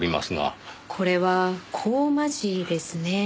これはコーマ地ですね。